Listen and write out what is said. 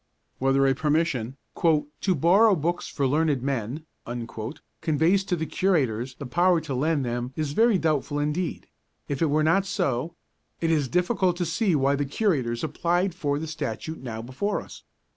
Whether a permission 'to borrow books for learned men' conveys to the Curators the power to lend them is very doubtful indeed; if it were not so, it is difficult to see why the Curators applied for the Statute now before us.